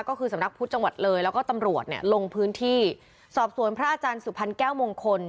ก็คือสำนักพุทธจังหวัดเลยแล้วก็ตำรวจเนี่ยลงพื้นที่สอบสวนพระอาจารย์สุพรรณแก้วมงคล